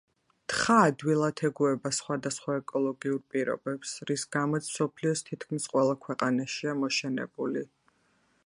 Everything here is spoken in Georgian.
თხა ადვილად ეგუება სხვადასხვა ეკოლოგიურ პირობებს, რის გამოც მსოფლიოს თითქმის ყველა ქვეყანაშია მოშენებული.